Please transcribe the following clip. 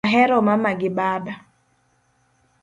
Ahero mama gi baba